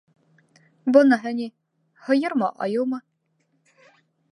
Быныһы ни? һыйырмы, айыумы?